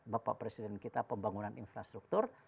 bapak presiden kita pembangunan infrastruktur